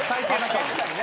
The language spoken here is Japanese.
確かにね。